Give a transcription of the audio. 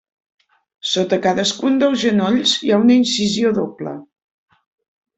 Sota cadascun dels genolls hi ha una incisió doble.